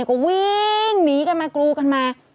ก็วิ่งหนีกันมากรูกันมา